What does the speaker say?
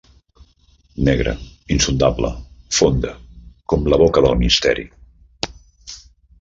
...negra, insondable, fonda, com la boca del Misteri.